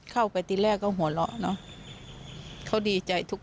เข้าไปทีแรกก็หัวเราะเนอะเขาดีใจทุก